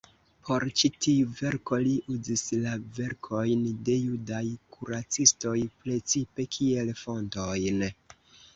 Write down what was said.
Por ĉi tiu verko li uzis la verkojn de judaj kuracistoj precipe kiel fontojn.